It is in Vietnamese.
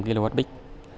năm kg bích